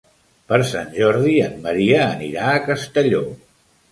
Per Sant Jordi en Maria anirà a Castelló.